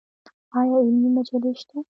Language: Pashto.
آیا علمي مجلې شته؟